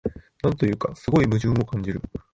なんというか、すごい矛盾を感じる